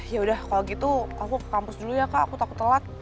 ya udah kalau gitu aku ke kampus dulu ya kak aku takut telat